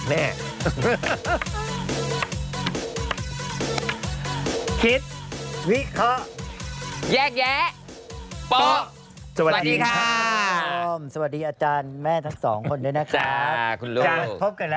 สนุนโดยอีซูซูดีแมคบลูพาวเวอร์นวัตกรรมเปลี่ยนโลก